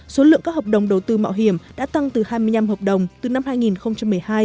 số lượng các hợp đồng đầu tư mạo hiểm đã tăng từ hai mươi năm hợp đồng từ năm hai nghìn một mươi hai